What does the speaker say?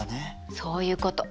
そういうこと。